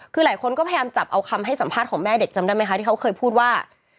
คือหลายคนก็พยายามจับเอาคำให้สัมภาษณ์ของแม่เด็กจำได้ไหมคะที่เขาเคยพูดว่า